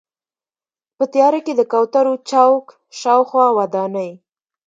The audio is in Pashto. په تیاره کې د کوترو چوک شاوخوا ودانۍ.